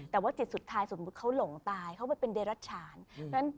แต่ว่าจิตสุดท้ายสมมุติเขาหลงตายเขาไปเป็นเดรัชฉาน